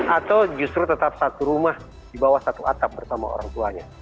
atau justru tetap satu rumah di bawah satu atap bersama orang tuanya